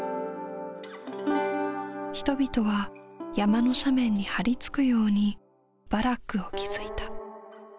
人々は山の斜面に張り付くようにバラックを築いた。